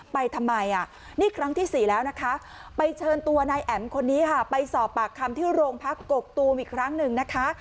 ไปทำไมนี่ครั้งที่๔แล้วนะคะไปเชิญตัวนายแอ๋มคนนี้ค่ะไปสอบปากคำที่โรงพักกกตูมอีกครั้งหนึ่งนะคะ